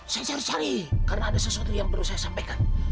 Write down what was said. saya harus cari karena ada sesuatu yang perlu saya sampaikan